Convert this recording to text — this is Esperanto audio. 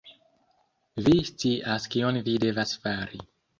vi scias kion vi devas fari